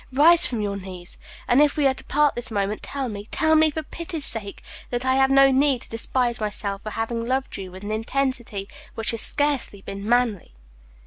Rise from your knees; and if we are to part this moment, tell me, tell me, for pity's sake, that I have no need to despise myself for having loved you with an intensity which has scarcely been manly."